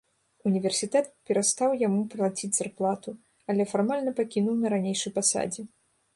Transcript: Універсітэт перастаў яму плаціць зарплату, але фармальна пакінуў на ранейшай пасадзе.